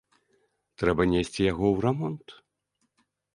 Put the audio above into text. Трэба несці яго ў рамонт.